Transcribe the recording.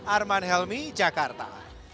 arman helmi jakarta